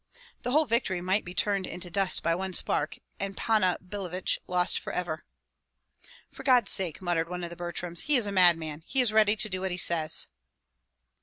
The whole victory might be turned into dust by one spark, and Panna Billevich lost forever. "For God's sake!" muttered one of the Butryms, "he is a madman. He is ready to do what he says."